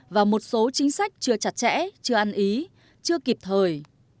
và một số chính sách chưa chặt chẽ chưa ăn ý chưa kịp thời